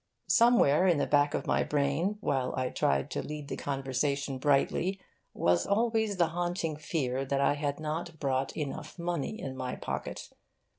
Somewhere in the back of my brain, while I tried to lead the conversation brightly, was always the haunting fear that I had not brought enough money in my pocket.